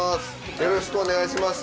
よろしくお願いします。